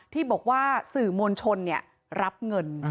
ที่บอกว่าสื่อมวลชนรับเงิน